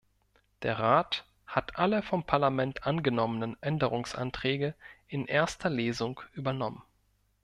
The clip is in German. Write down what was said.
Der Rat hat alle vom Parlament angenommenen Änderungsanträge in erster Lesung übernommen.